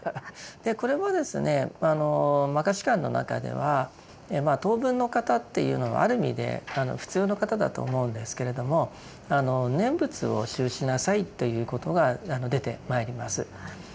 これもですね「摩訶止観」の中では等分の方っていうのはある意味で普通の方だと思うんですけれども「念仏」を修しなさいということが出てまいります。